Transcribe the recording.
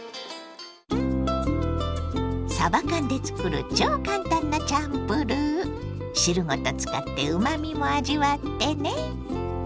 さば缶で作る超簡単なチャンプルー。汁ごと使ってうまみも味わってね。